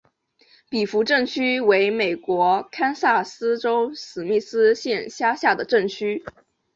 比弗镇区为美国堪萨斯州史密斯县辖下的镇区。